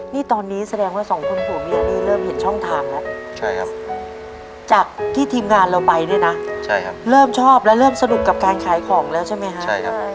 นี่ตอนนี้แสดงว่าสองคนผัวเมียนี่เริ่มเห็นช่องทางแล้วจากที่ทีมงานเราไปเนี่ยนะเริ่มชอบและเริ่มสนุกกับการขายของแล้วใช่ไหมฮะใช่ครับ